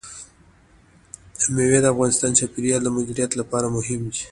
مېوې د افغانستان د چاپیریال د مدیریت لپاره مهم دي.